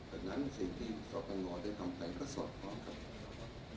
ดังนั้นสิ่งที่สตนได้ทำเป็นประสอบความครับ